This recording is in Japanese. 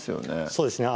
そうですね